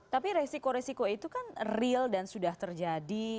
tapi resiko resiko itu kan real dan sudah terjadi